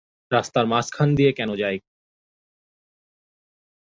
রাস্তার মাঝখান দিয়ে যায় কেন।